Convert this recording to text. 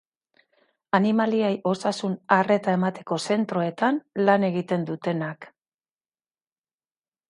Animaliei osasun-arreta emateko zentroetan lan egiten dutenak.